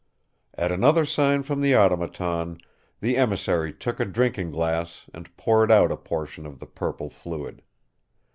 At another sign from the Automaton the emissary took a drinking glass and poured out a portion of the purple fluid.